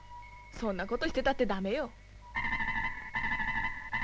そんなことしてたってダメよ。